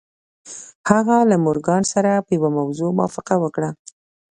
هغه له مورګان سره په یوه موضوع موافقه وکړه